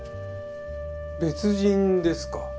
別人ですか。